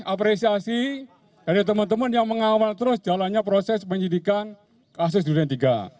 apresiasi dari teman teman yang mengawal terus jalannya proses penyidikan kelas tiga